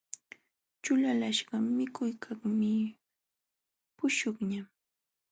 Ćhulalaqśhqa mikuykaqmi puśhuqñaq.